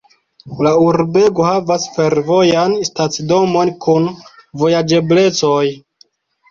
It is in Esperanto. La urbego havas fervojan stacidomon kun vojaĝeblecoj.